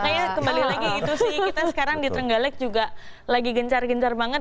makanya kembali lagi itu sih kita sekarang di trenggaleg juga lagi gencang banget